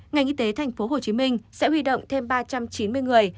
ngành y tế tp hcm sẽ huy động thêm ba trăm chín mươi người